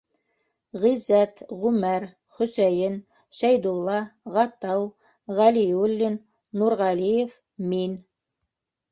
Ғиззәт, Ғүмәр, Хөсәйен, Шәйдулла, Ғатау, Ғәлиуллин, Нурғәлиев, мин.